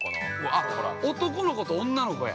◆あっ、男の子と女の子や。